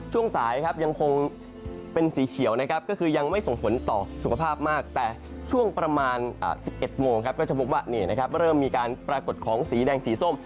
ช่วงสายครับยังคงเป็นสีเขียวนะครับก็คือยังไม่ส่งผลต่อสุขภาพมากแต่ช่วงประมาณ๑๑โมงครับก็จะพบว่าเริ่มมีการปรากฏของสีแดงสีส้ม